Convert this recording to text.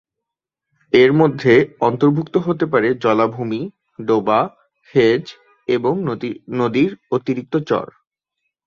এর মধ্যে অন্তর্ভুক্ত হতে পারে জলাভূমি, ডোবা, হেজ এবং নদীর অতিরিক্ত চর।